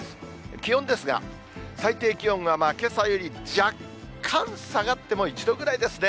気温ですが、最低気温がけさより若干下がっても１度ぐらいですね。